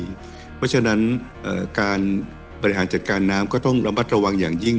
เพราะฉะนั้นการบริหารจัดการน้ำก็ต้องระมัดระวังอย่างยิ่ง